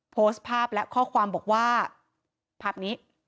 โพสต์ภาพและข้อความบอกว่าภาพนี้